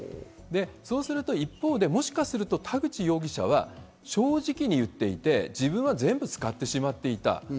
そうすると一方で、もしかすると田口容疑者は正直に言っていて自分は全部使ってしまっていた。